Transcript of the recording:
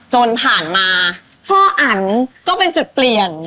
จนผ่านมาพ่ออันก็เป็นจุดเปลี่ยน